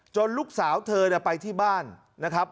ลูกสาวเธอไปที่บ้านนะครับ